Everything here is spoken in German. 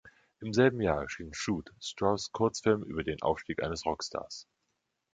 Im selben Jahr erschien „Shoot“, Strauss' Kurzfilm über den Aufstieg eines Rockstars.